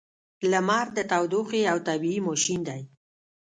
• لمر د تودوخې یو طبیعی ماشین دی.